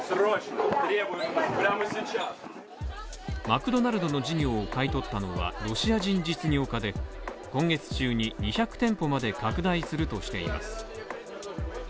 マクドナルドの事業を買い取ったのはロシア人実業家で今月中に、２００店舗まで拡大するとしています。